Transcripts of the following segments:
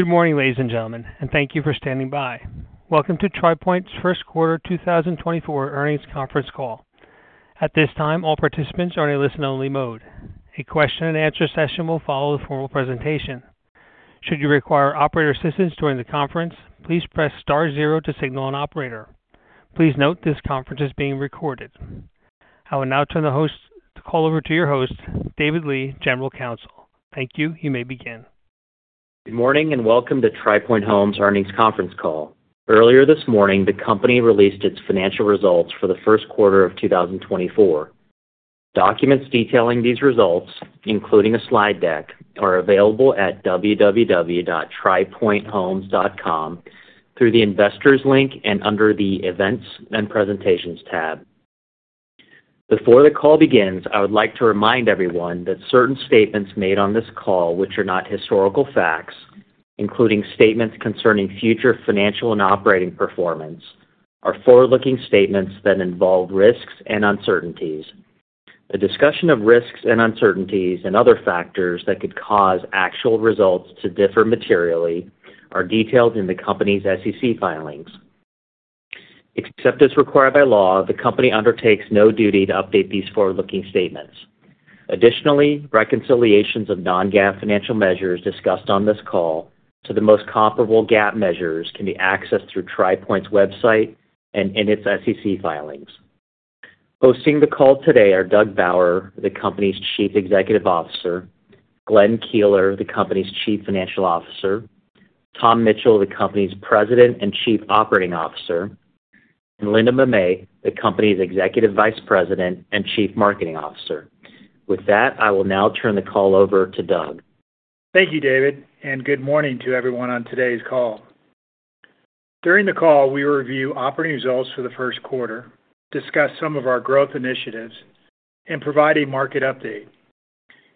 Good morning, ladies and gentlemen, and thank you for standing by. Welcome to Tri Pointe's First Quarter 2024 Earnings Conference Call. At this time, all participants are in a listen-only mode. A question-and-answer session will follow the formal presentation. Should you require operator assistance during the conference, please press star zero to signal an operator. Please note this conference is being recorded. I will now turn the call over to your host, David Lee, General Counsel. Thank you. You may begin. Good morning and welcome to Tri Pointe Homes earnings conference call. Earlier this morning, the company released its financial results for the first quarter of 2024. Documents detailing these results, including a slide deck, are available at www.tripointehomes.com through the investors link and under the Events and Presentations tab. Before the call begins, I would like to remind everyone that certain statements made on this call, which are not historical facts, including statements concerning future financial and operating performance, are forward-looking statements that involve risks and uncertainties. The discussion of risks and uncertainties and other factors that could cause actual results to differ materially are detailed in the company's SEC filings. Except as required by law, the company undertakes no duty to update these forward-looking statements. Additionally, reconciliations of non-GAAP financial measures discussed on this call to the most comparable GAAP measures can be accessed through Tri Pointe's website and in its SEC filings. Hosting the call today are Doug Bauer, the company's Chief Executive Officer, Glenn Keeler, the company's Chief Financial Officer, Tom Mitchell, the company's President and Chief Operating Officer, and Linda Mamet, the company's Executive Vice President and Chief Marketing Officer. With that, I will now turn the call over to Doug. Thank you, David, and good morning to everyone on today's call. During the call, we review operating results for the first quarter, discuss some of our growth initiatives, and provide a market update.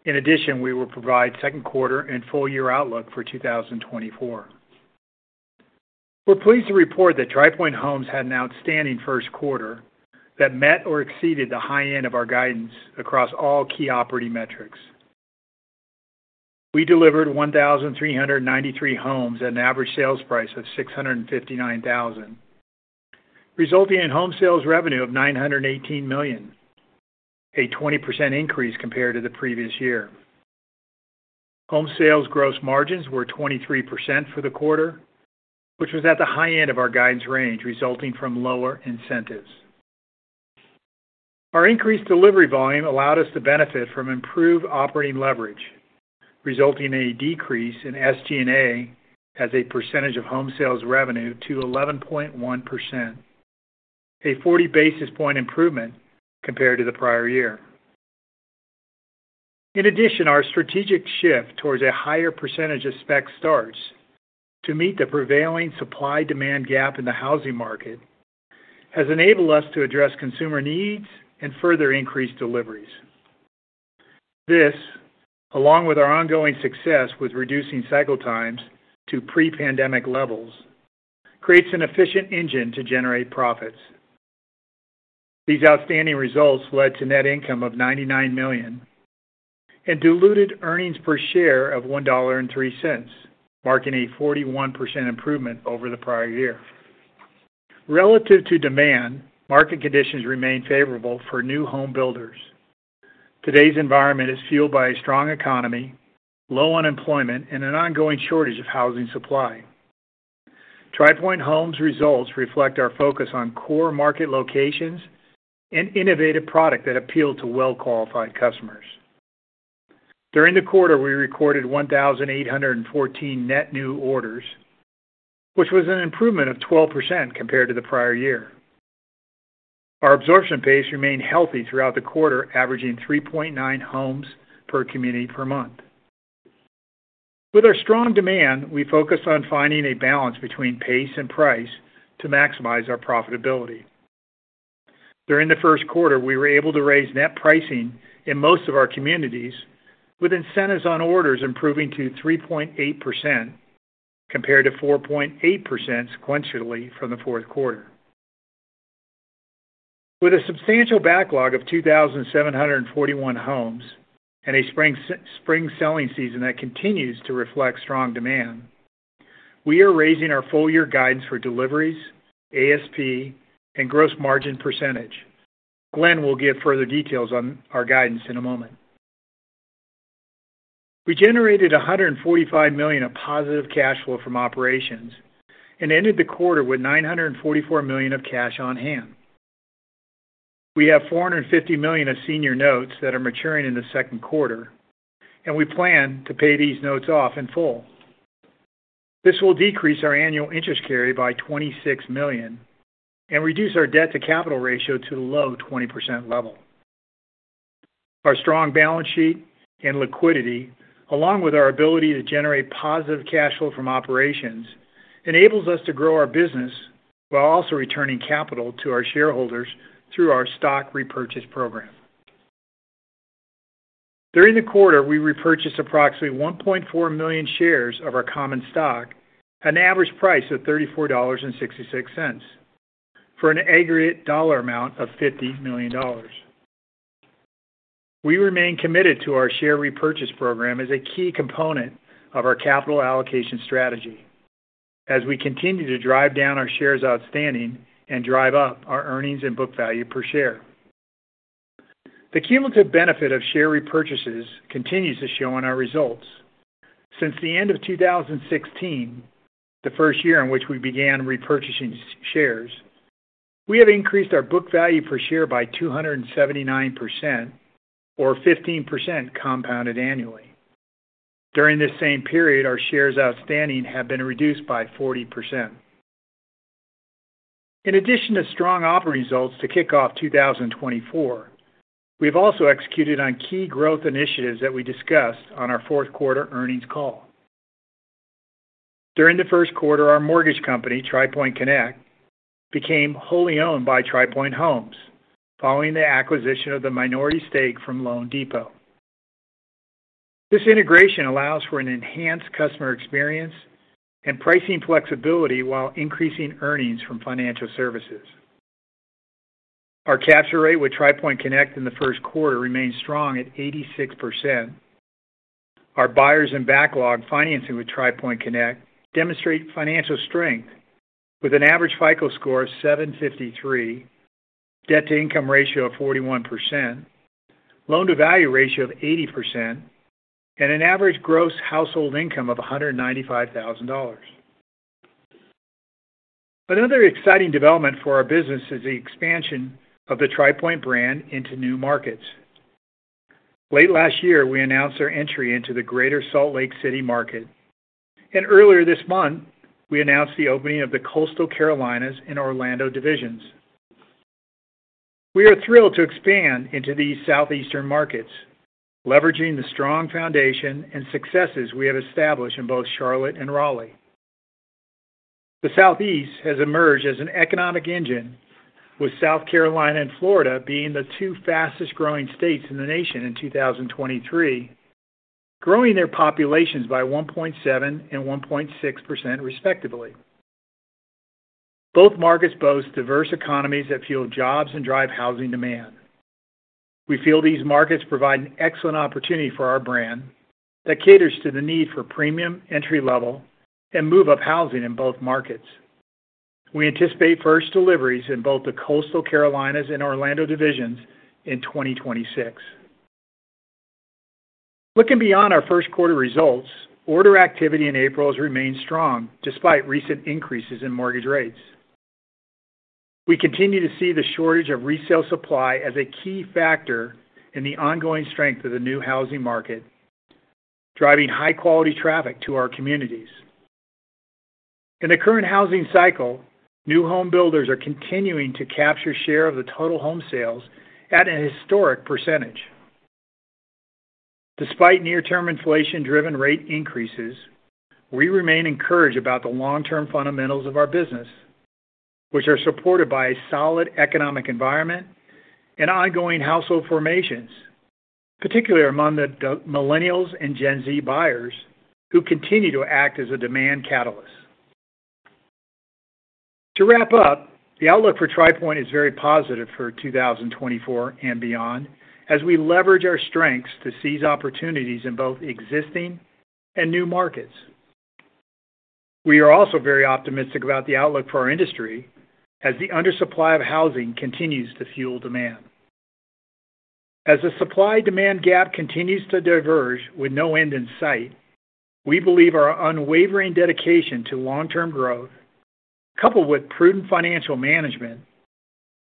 In addition, we will provide second quarter and full-year outlook for 2024. We're pleased to report that Tri Pointe Homes had an outstanding first quarter that met or exceeded the high end of our guidance across all key operating metrics. We delivered 1,393 homes at an average sales price of $659,000, resulting in home sales revenue of $918 million, a 20% increase compared to the previous year. Home sales gross margins were 23% for the quarter, which was at the high end of our guidance range, resulting from lower incentives. Our increased delivery volume allowed us to benefit from improved operating leverage, resulting in a decrease in SG&A as a percentage of home sales revenue to 11.1%, a 40 basis point improvement compared to the prior year. In addition, our strategic shift towards a higher percentage of spec starts to meet the prevailing supply-demand gap in the housing market has enabled us to address consumer needs and further increase deliveries. This, along with our ongoing success with reducing cycle times to pre-pandemic levels, creates an efficient engine to generate profits. These outstanding results led to net income of $99 million and diluted earnings per share of $1.03, marking a 41% improvement over the prior year. Relative to demand, market conditions remain favorable for new home builders. Today's environment is fueled by a strong economy, low unemployment, and an ongoing shortage of housing supply. Tri Pointe Homes' results reflect our focus on core market locations and innovative products that appeal to well-qualified customers. During the quarter, we recorded 1,814 net new orders, which was an improvement of 12% compared to the prior year. Our absorption pace remained healthy throughout the quarter, averaging 3.9 homes per community per month. With our strong demand, we focused on finding a balance between pace and price to maximize our profitability. During the first quarter, we were able to raise net pricing in most of our communities, with incentives on orders improving to 3.8% compared to 4.8% sequentially from the fourth quarter. With a substantial backlog of 2,741 homes and a spring selling season that continues to reflect strong demand, we are raising our full-year guidance for deliveries, ASP, and gross margin percentage. Glenn will give further details on our guidance in a moment. We generated $145 million of positive cash flow from operations and ended the quarter with $944 million of cash on hand. We have $450 million of senior notes that are maturing in the second quarter, and we plan to pay these notes off in full. This will decrease our annual interest carry by $26 million and reduce our debt-to-capital ratio to the low 20% level. Our strong balance sheet and liquidity, along with our ability to generate positive cash flow from operations, enables us to grow our business while also returning capital to our shareholders through our stock repurchase program. During the quarter, we repurchased approximately 1.4 million shares of our common stock at an average price of $34.66 for an aggregate dollar amount of $50 million. We remain committed to our share repurchase program as a key component of our capital allocation strategy as we continue to drive down our shares outstanding and drive up our earnings and book value per share. The cumulative benefit of share repurchases continues to show in our results. Since the end of 2016, the first year in which we began repurchasing shares, we have increased our book value per share by 279%, or 15% compounded annually. During this same period, our shares outstanding have been reduced by 40%. In addition to strong operating results to kick off 2024, we've also executed on key growth initiatives that we discussed on our fourth quarter earnings call. During the first quarter, our mortgage company, Tri Pointe Connect, became wholly owned by Tri Pointe Homes following the acquisition of the minority stake from loanDepot. This integration allows for an enhanced customer experience and pricing flexibility while increasing earnings from financial services. Our capture rate with Tri Pointe Connect in the first quarter remained strong at 86%. Our buyers and backlog financing with Tri Pointe Connect demonstrate financial strength with an average FICO score of 753, debt-to-income ratio of 41%, loan-to-value ratio of 80%, and an average gross household income of $195,000. Another exciting development for our business is the expansion of the Tri Pointe brand into new markets. Late last year, we announced our entry into the greater Salt Lake City market, and earlier this month, we announced the opening of the Coastal Carolinas and Orlando divisions. We are thrilled to expand into these southeastern markets, leveraging the strong foundation and successes we have established in both Charlotte and Raleigh. The Southeast has emerged as an economic engine, with South Carolina and Florida being the two fastest-growing states in the nation in 2023, growing their populations by 1.7% and 1.6% respectively. Both markets boast diverse economies that fuel jobs and drive housing demand. We feel these markets provide an excellent opportunity for our brand that caters to the need for premium, entry-level, and move-up housing in both markets. We anticipate first deliveries in both the Coastal Carolinas and Orlando divisions in 2026. Looking beyond our first quarter results, order activity in April has remained strong despite recent increases in mortgage rates. We continue to see the shortage of resale supply as a key factor in the ongoing strength of the new housing market, driving high-quality traffic to our communities. In the current housing cycle, new home builders are continuing to capture share of the total home sales at a historic percentage. Despite near-term inflation-driven rate increases, we remain encouraged about the long-term fundamentals of our business, which are supported by a solid economic environment and ongoing household formations, particularly among the millennials and Gen Z buyers who continue to act as a demand catalyst. To wrap up, the outlook for Tri Pointe is very positive for 2024 and beyond as we leverage our strengths to seize opportunities in both existing and new markets. We are also very optimistic about the outlook for our industry as the undersupply of housing continues to fuel demand. As the supply-demand gap continues to diverge with no end in sight, we believe our unwavering dedication to long-term growth, coupled with prudent financial management,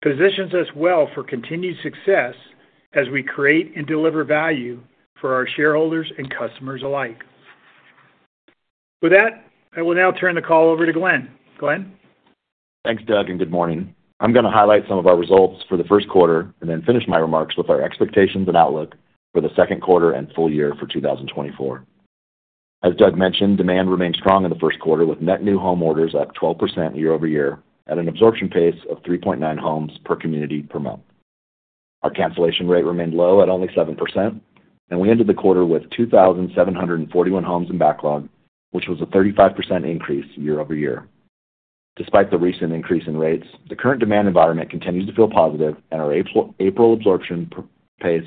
positions us well for continued success as we create and deliver value for our shareholders and customers alike. With that, I will now turn the call over to Glenn. Glenn? Thanks, Doug, and good morning. I'm going to highlight some of our results for the first quarter and then finish my remarks with our expectations and outlook for the second quarter and full year for 2024. As Doug mentioned, demand remained strong in the first quarter, with net new home orders at 12% year-over-year at an absorption pace of 3.9 homes per community per month. Our cancellation rate remained low at only 7%, and we ended the quarter with 2,741 homes in backlog, which was a 35% increase year-over-year. Despite the recent increase in rates, the current demand environment continues to feel positive, and our April absorption pace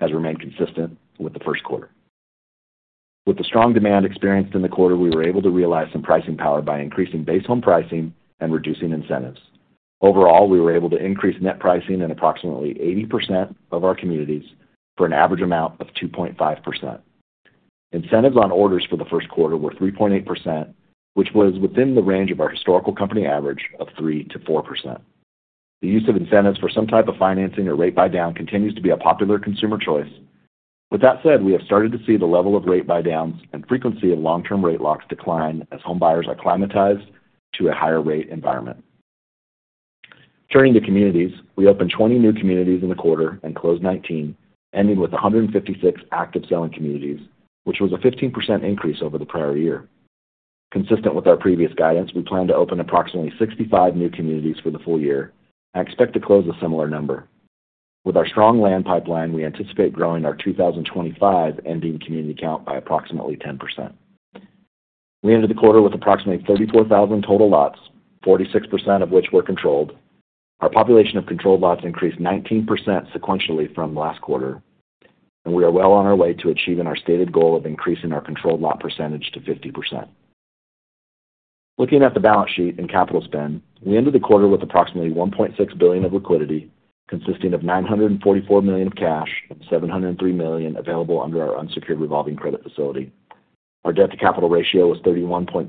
has remained consistent with the first quarter. With the strong demand experienced in the quarter, we were able to realize some pricing power by increasing base home pricing and reducing incentives. Overall, we were able to increase net pricing in approximately 80% of our communities for an average amount of 2.5%. Incentives on orders for the first quarter were 3.8%, which was within the range of our historical company average of 3%-4%. The use of incentives for some type of financing or rate buy-down continues to be a popular consumer choice. With that said, we have started to see the level of rate buy-downs and frequency of long-term rate locks decline as home buyers acclimatize to a higher rate environment. Turning to communities, we opened 20 new communities in the quarter and closed 19, ending with 156 active selling communities, which was a 15% increase over the prior year. Consistent with our previous guidance, we plan to open approximately 65 new communities for the full year and expect to close a similar number. With our strong land pipeline, we anticipate growing our 2025 ending community count by approximately 10%. We ended the quarter with approximately 34,000 total lots, 46% of which were controlled. Our population of controlled lots increased 19% sequentially from last quarter, and we are well on our way to achieving our stated goal of increasing our controlled lot percentage to 50%. Looking at the balance sheet and capital spend, we ended the quarter with approximately $1.6 billion of liquidity, consisting of $944 million of cash and $703 million available under our unsecured revolving credit facility. Our debt-to-capital ratio was 31.2%,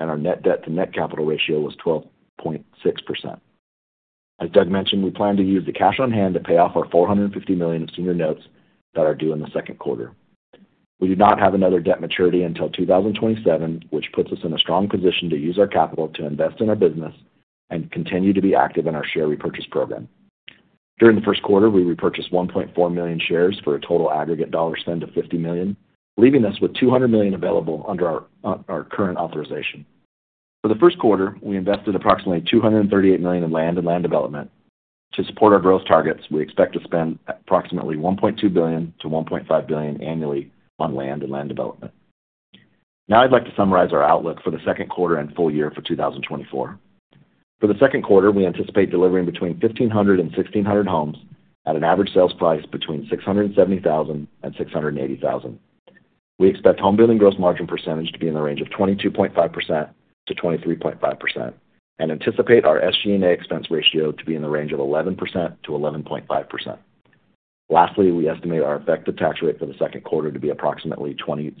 and our net debt-to-net capital ratio was 12.6%. As Doug mentioned, we plan to use the cash on hand to pay off our $450 million of senior notes that are due in the second quarter. We do not have another debt maturity until 2027, which puts us in a strong position to use our capital to invest in our business and continue to be active in our share repurchase program. During the first quarter, we repurchased 1.4 million shares for a total aggregate dollar spend of $50 million, leaving us with $200 million available under our current authorization. For the first quarter, we invested approximately $238 million in land and land development. To support our growth targets, we expect to spend approximately $1.2 billion-$1.5 billion annually on land and land development. Now I'd like to summarize our outlook for the second quarter and full year for 2024. For the second quarter, we anticipate delivering between 1,500-1,600 homes at an average sales price between $670,000-$680,000. We expect home building gross margin percentage to be in the range of 22.5%-23.5% and anticipate our SG&A expense ratio to be in the range of 11%-11.5%. Lastly, we estimate our effective tax rate for the second quarter to be approximately 26%.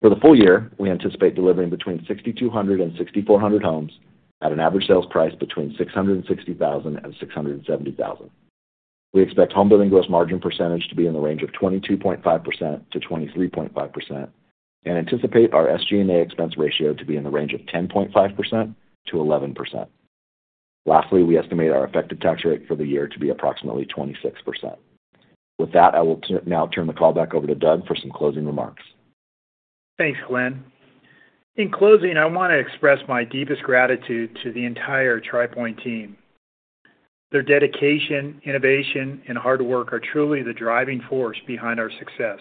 For the full year, we anticipate delivering between 6,200 and 6,400 homes at an average sales price between $660,000 and $670,000. We expect home building gross margin percentage to be in the range of 22.5%-23.5% and anticipate our SG&A expense ratio to be in the range of 10.5%-11%. Lastly, we estimate our effective tax rate for the year to be approximately 26%. With that, I will now turn the call back over to Doug for some closing remarks. Thanks, Glenn. In closing, I want to express my deepest gratitude to the entire Tri Pointe team. Their dedication, innovation, and hard work are truly the driving force behind our success.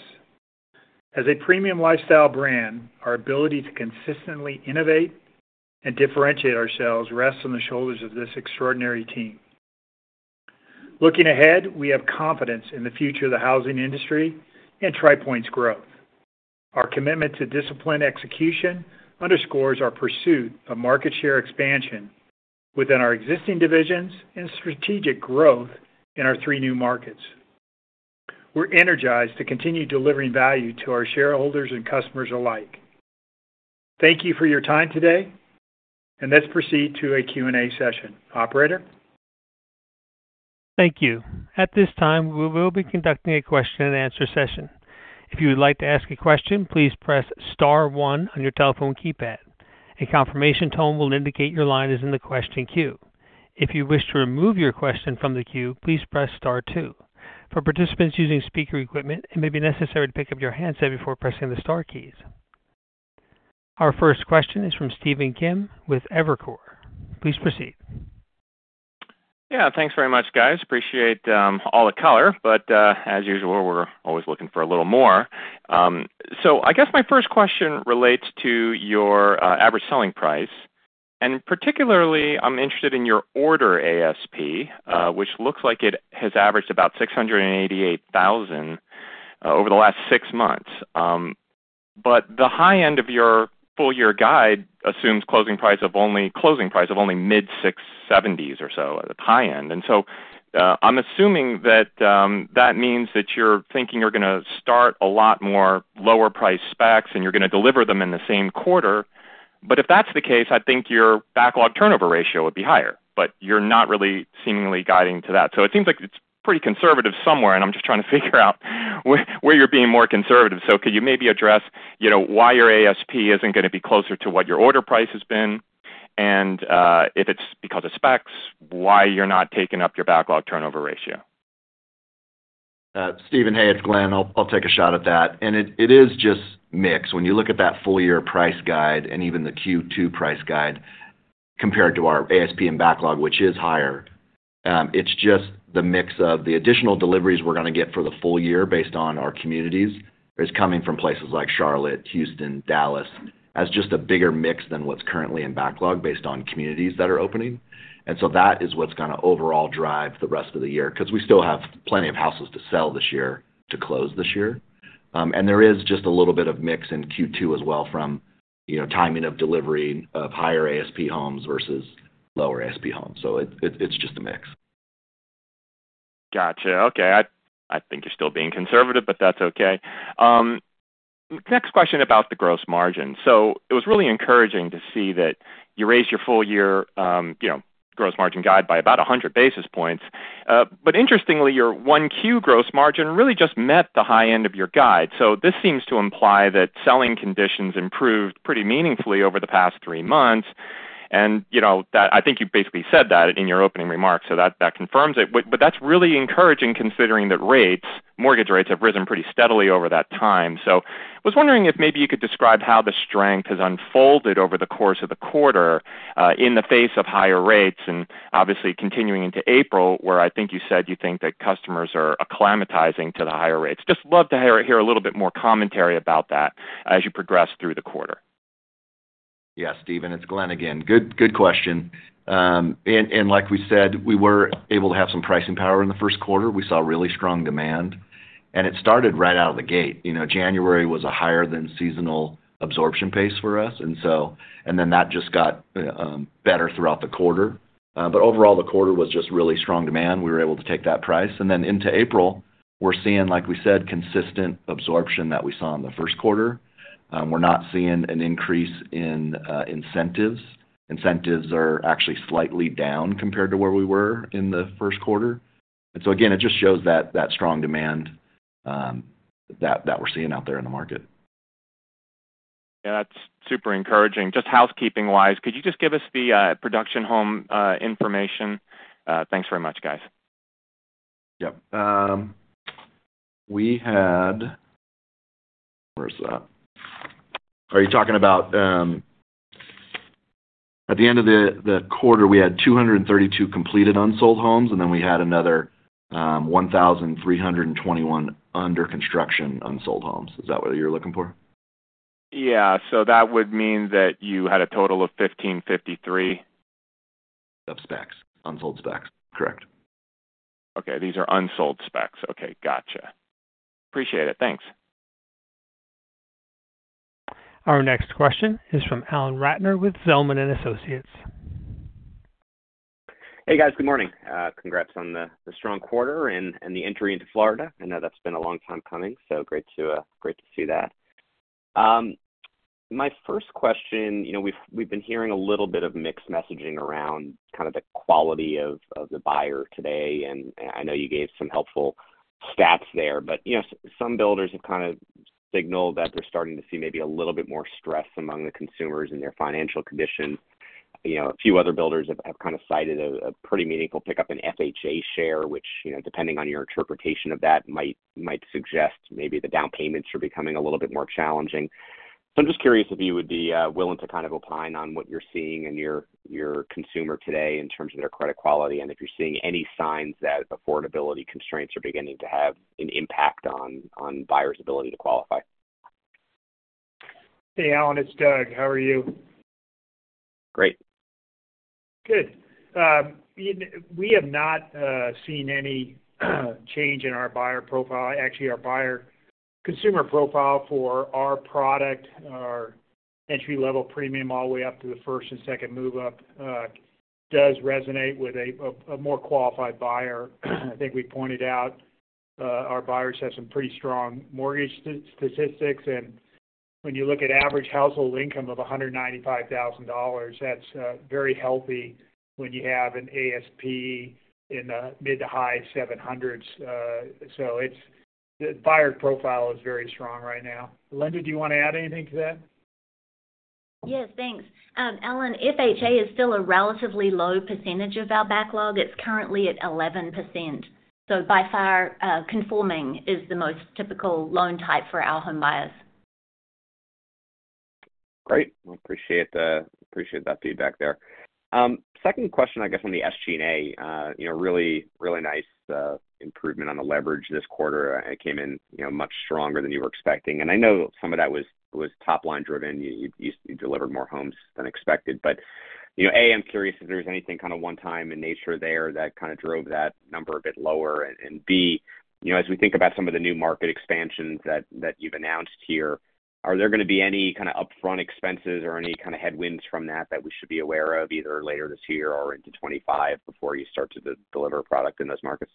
As a premium lifestyle brand, our ability to consistently innovate and differentiate ourselves rests on the shoulders of this extraordinary team. Looking ahead, we have confidence in the future of the housing industry and Tri Pointe's growth. Our commitment to disciplined execution underscores our pursuit of market share expansion within our existing divisions and strategic growth in our three new markets. We're energized to continue delivering value to our shareholders and customers alike. Thank you for your time today, and let's proceed to a Q&A session. Operator? Thank you. At this time, we will be conducting a question-and-answer session. If you would like to ask a question, please press star one on your telephone keypad. A confirmation tone will indicate your line is in the question queue. If you wish to remove your question from the queue, please press star two. For participants using speaker equipment, it may be necessary to pick up your handset before pressing the star keys. Our first question is from Stephen Kim with Evercore. Please proceed. Yeah, thanks very much, guys. Appreciate all the color, but as usual, we're always looking for a little more. So I guess my first question relates to your average selling price, and particularly, I'm interested in your order ASP, which looks like it has averaged about $688,000 over the last six months. But the high end of your full year guide assumes closing price of only mid-$670,000s or so, at the high end. And so I'm assuming that that means that you're thinking you're going to start a lot more lower-priced specs and you're going to deliver them in the same quarter. But if that's the case, I think your backlog turnover ratio would be higher, but you're not really seemingly guiding to that. So it seems like it's pretty conservative somewhere, and I'm just trying to figure out where you're being more conservative. So could you maybe address why your ASP isn't going to be closer to what your order price has been, and if it's because of specs, why you're not taking up your backlog turnover ratio? Stephen, hey, it's Glenn. I'll take a shot at that. And it is just mixed. When you look at that full year price guide and even the Q2 price guide compared to our ASP and backlog, which is higher, it's just the mix of the additional deliveries we're going to get for the full year based on our communities is coming from places like Charlotte, Houston, Dallas, as just a bigger mix than what's currently in backlog based on communities that are opening. And so that is what's going to overall drive the rest of the year because we still have plenty of houses to sell this year to close this year. And there is just a little bit of mix in Q2 as well from timing of delivery of higher ASP homes versus lower ASP homes. So it's just a mix. Gotcha. Okay. I think you're still being conservative, but that's okay. Next question about the gross margin. So it was really encouraging to see that you raised your full year gross margin guide by about 100 basis points. But interestingly, your Q1 gross margin really just met the high end of your guide. So this seems to imply that selling conditions improved pretty meaningfully over the past three months, and I think you basically said that in your opening remarks, so that confirms it. But that's really encouraging considering that mortgage rates have risen pretty steadily over that time. So I was wondering if maybe you could describe how the strength has unfolded over the course of the quarter in the face of higher rates and obviously continuing into April, where I think you said you think that customers are acclimatizing to the higher rates. Just love to hear a little bit more commentary about that as you progress through the quarter. Yeah, Stephen, it's Glenn again. Good question. Like we said, we were able to have some pricing power in the first quarter. We saw really strong demand, and it started right out of the gate. January was a higher-than-seasonal absorption pace for us, and then that just got better throughout the quarter. Overall, the quarter was just really strong demand. We were able to take that price. Then into April, we're seeing, like we said, consistent absorption that we saw in the first quarter. We're not seeing an increase in incentives. Incentives are actually slightly down compared to where we were in the first quarter. So again, it just shows that strong demand that we're seeing out there in the market. Yeah, that's super encouraging. Just housekeeping-wise, could you just give us the production home information? Thanks very much, guys. Yep. We had where's that? Are you talking about at the end of the quarter? We had 232 completed unsold homes, and then we had another 1,321 under construction unsold homes. Is that what you're looking for? Yeah. So that would mean that you had a total of 1,553. Of specs, unsold specs. Correct. Okay. These are unsold specs. Okay. Gotcha. Appreciate it. Thanks. Our next question is from Alan Ratner with Zelman & Associates. Hey, guys. Good morning. Congrats on the strong quarter and the entry into Florida. I know that's been a long time coming, so great to see that. My first question, we've been hearing a little bit of mixed messaging around kind of the quality of the buyer today, and I know you gave some helpful stats there. But some builders have kind of signaled that they're starting to see maybe a little bit more stress among the consumers and their financial conditions. A few other builders have kind of cited a pretty meaningful pickup in FHA share, which, depending on your interpretation of that, might suggest maybe the down payments are becoming a little bit more challenging. I'm just curious if you would be willing to kind of opine on what you're seeing in your consumer today in terms of their credit quality and if you're seeing any signs that affordability constraints are beginning to have an impact on buyers' ability to qualify. Hey, Alan. It's Doug. How are you? Great. Good. We have not seen any change in our buyer profile. Actually, our consumer profile for our product, our entry-level premium all the way up to the first and second move-up, does resonate with a more qualified buyer. I think we pointed out our buyers have some pretty strong mortgage statistics. And when you look at average household income of $195,000, that's very healthy when you have an ASP in the mid- to high $700s. So the buyer profile is very strong right now. Linda, do you want to add anything to that? Yes, thanks. Alan, FHA is still a relatively low percentage of our backlog. It's currently at 11%. So by far, conforming is the most typical loan type for our home buyers. Great. We appreciate that feedback there. Second question, I guess, on the SG&A, really, really nice improvement on the leverage this quarter. It came in much stronger than you were expecting. And I know some of that was top-line driven. You delivered more homes than expected. But A, I'm curious if there was anything kind of one-time in nature there that kind of drove that number a bit lower. And B, as we think about some of the new market expansions that you've announced here, are there going to be any kind of upfront expenses or any kind of headwinds from that that we should be aware of either later this year or into 2025 before you start to deliver product in those markets?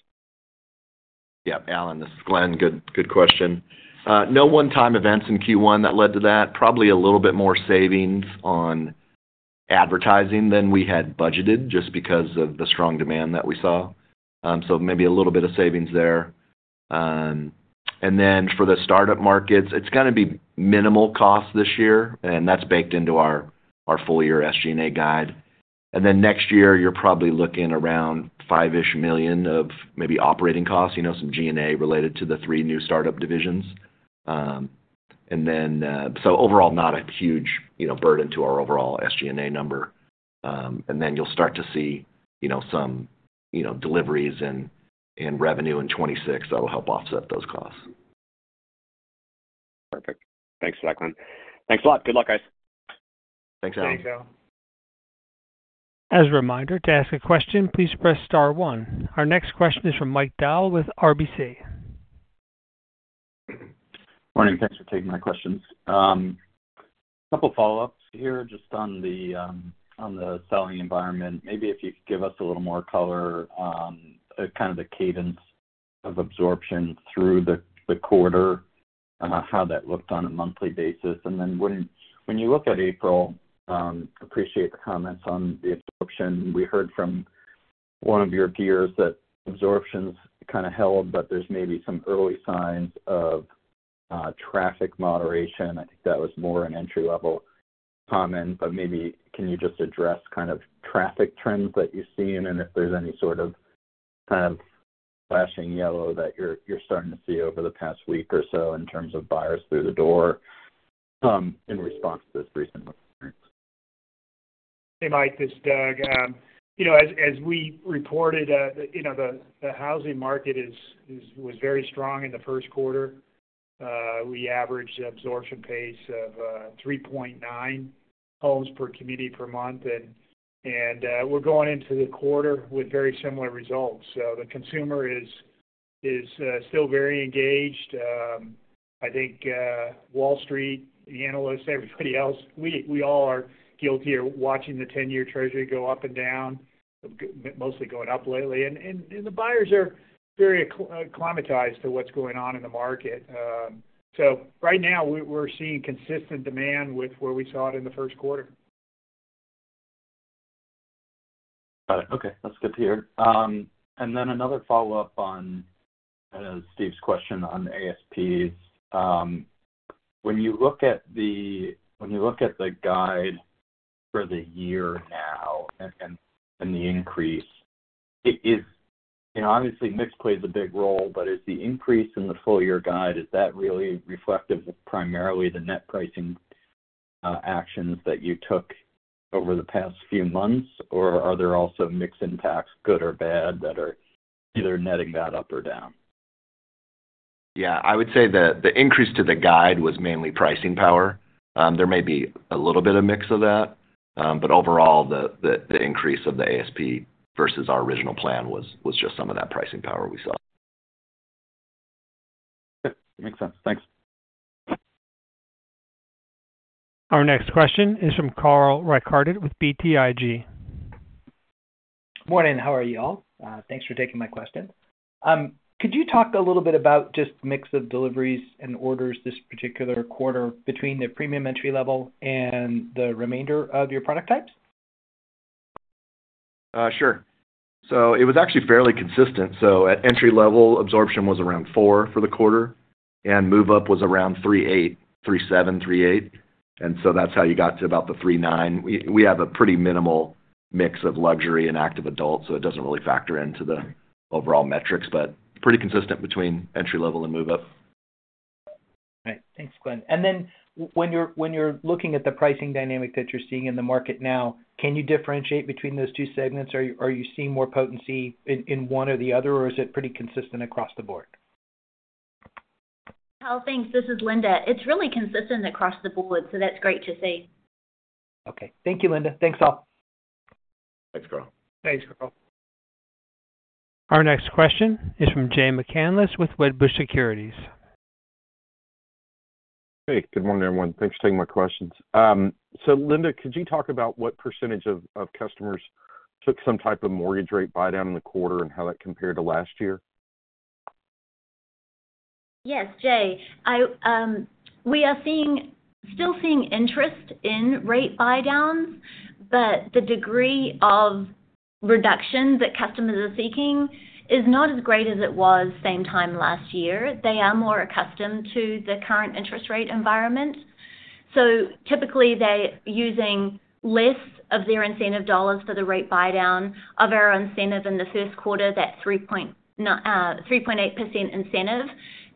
Yep, Alan. This is Glenn. Good question. No one-time events in Q1 that led to that. Probably a little bit more savings on advertising than we had budgeted just because of the strong demand that we saw. So maybe a little bit of savings there. For the startup markets, it's going to be minimal costs this year, and that's baked into our full year SG&A guide. Next year, you're probably looking around $5-ish million of maybe operating costs, some G&A related to the three new startup divisions. So overall, not a huge burden to our overall SG&A number. You'll start to see some deliveries and revenue in 2026 that'll help offset those costs. Perfect. Thanks for that, Glenn. Thanks a lot. Good luck, guys. Thanks, Alan. Thanks, Alan. As a reminder, to ask a question, please press star one. Our next question is from Mike Dahl with RBC. Morning. Thanks for taking my questions. A couple of follow-ups here just on the selling environment. Maybe if you could give us a little more color, kind of the cadence of absorption through the quarter, how that looked on a monthly basis. And then when you look at April, appreciate the comments on the absorption. We heard from one of your peers that absorptions kind of held, but there's maybe some early signs of traffic moderation. I think that was more an entry-level comment. But maybe can you just address kind of traffic trends that you've seen and if there's any sort of kind of flashing yellow that you're starting to see over the past week or so in terms of buyers through the door in response to this recent experience? Hey, Mike. This is Doug. As we reported, the housing market was very strong in the first quarter. We averaged absorption pace of 3.9 homes per community per month. And we're going into the quarter with very similar results. So the consumer is still very engaged. I think Wall Street, the analysts, everybody else, we all are guilty of watching the 10-year Treasury go up and down, mostly going up lately. And the buyers are very acclimatized to what's going on in the market. So right now, we're seeing consistent demand with where we saw it in the first quarter. Got it. Okay. That's good to hear. And then another follow-up on Steve's question on ASPs. When you look at the guide for the year now and the increase, obviously, mix plays a big role, but is the increase in the full year guide really reflective of primarily the net pricing actions that you took over the past few months, or are there also mix impacts, good or bad, that are either netting that up or down? Yeah. I would say the increase to the guide was mainly pricing power. There may be a little bit of mix of that, but overall, the increase of the ASP versus our original plan was just some of that pricing power we saw. Yep. Makes sense. Thanks. Our next question is from Carl Reichardt with BTIG. Morning. How are you all? Thanks for taking my question. Could you talk a little bit about just mix of deliveries and orders this particular quarter between the premium entry-level and the remainder of your product types? Sure. So it was actually fairly consistent. So at entry-level, absorption was around 4 for the quarter, and move-up was around 3.8, 3.7, 3.8. And so that's how you got to about the 3.9. We have a pretty minimal mix of luxury and active adult, so it doesn't really factor into the overall metrics, but pretty consistent between entry-level and move-up. All right. Thanks, Glenn. And then when you're looking at the pricing dynamic that you're seeing in the market now, can you differentiate between those two segments? Are you seeing more potency in one or the other, or is it pretty consistent across the board? Well, thanks. This is Linda. It's really consistent across the board, so that's great to see. Okay. Thank you, Linda. Thanks, all. Thanks, Carl. Thanks, Carl. Our next question is from Jay McCanless with Wedbush Securities. Hey. Good morning, everyone. Thanks for taking my questions. So Linda, could you talk about what percentage of customers took some type of mortgage rate buy-down in the quarter and how that compared to last year? Yes, Jay. We are still seeing interest in rate buy-downs, but the degree of reduction that customers are seeking is not as great as it was same time last year. They are more accustomed to the current interest rate environment. So typically, they're using less of their incentive dollars for the rate buy-down of our incentive in the first quarter, that 3.8% incentive.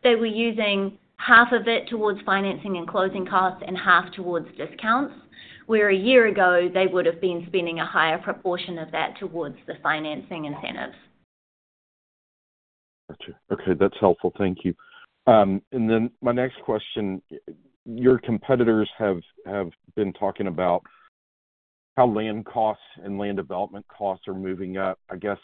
They were using half of it towards financing and closing costs and half towards discounts, where a year ago, they would have been spending a higher proportion of that towards the financing incentives. Gotcha. Okay. That's helpful. Thank you. And then my next question, your competitors have been talking about how land costs and land development costs are moving up. I guess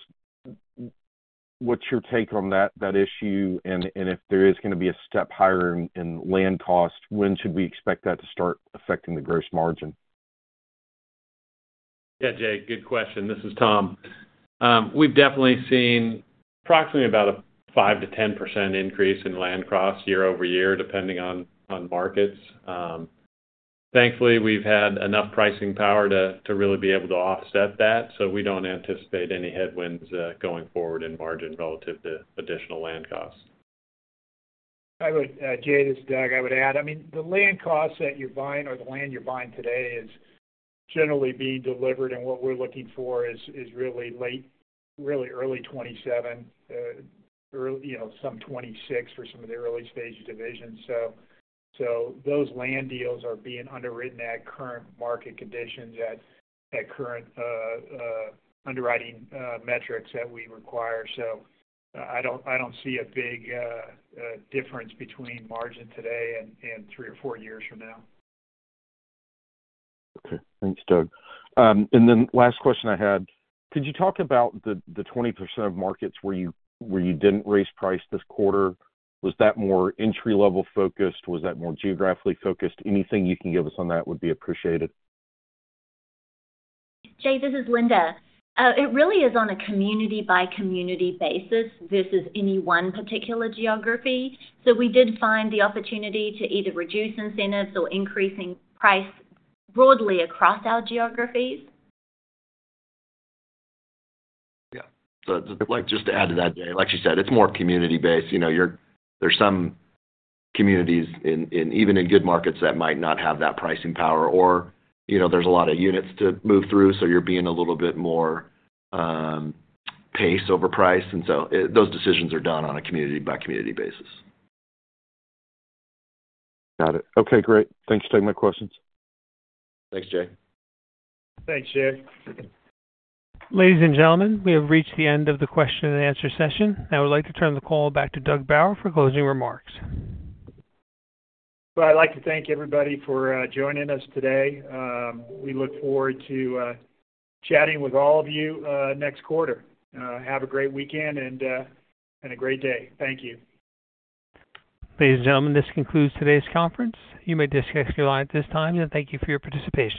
what's your take on that issue? And if there is going to be a step higher in land cost, when should we expect that to start affecting the gross margin? Yeah, Jay. Good question. This is Tom. We've definitely seen approximately about a 5%-10% increase in land costs year-over-year, depending on markets. Thankfully, we've had enough pricing power to really be able to offset that, so we don't anticipate any headwinds going forward in margin relative to additional land costs. Jay, this is Doug. I would add. I mean, the land costs that you're buying or the land you're buying today is generally being delivered, and what we're looking for is really early 2027, some 2026 for some of the early stage divisions. So those land deals are being underwritten at current market conditions, at current underwriting metrics that we require. So I don't see a big difference between margin today and three or four years from now. Okay. Thanks, Doug. And then last question I had, could you talk about the 20% of markets where you didn't raise price this quarter? Was that more entry-level focused? Was that more geographically focused? Anything you can give us on that would be appreciated. Jay, this is Linda. It really is on a community-by-community basis versus any one particular geography. So we did find the opportunity to either reduce incentives or increase price broadly across our geographies. Yeah. So just to add to that, Jay, like she said, it's more community-based. There's some communities, even in good markets, that might not have that pricing power, or there's a lot of units to move through, so you're being a little bit more pace over price. And so those decisions are done on a community-by-community basis. Got it. Okay. Great. Thanks for taking my questions. Thanks, Jay. Thanks, Jay. Ladies and gentlemen, we have reached the end of the question-and-answer session. I would like to turn the call back to Doug Bauer for closing remarks. Well, I'd like to thank everybody for joining us today. We look forward to chatting with all of you next quarter. Have a great weekend and a great day. Thank you. Ladies and gentlemen, this concludes today's conference. You may disconnect your line at this time, and thank you for your participation.